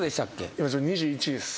今２１です。